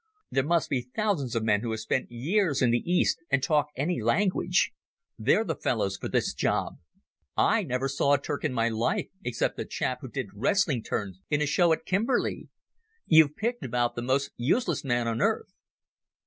There must be thousands of men who have spent years in the East and talk any language. They're the fellows for this job. I never saw a Turk in my life except a chap who did wrestling turns in a show at Kimberley. You've picked about the most useless man on earth."